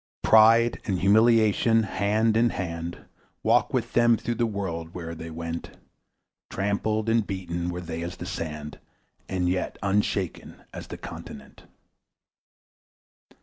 Pride and humiliation hand in hand Walked with them through the world where'er they went; Trampled and beaten were they as the sand, And yet unshaken as the continent.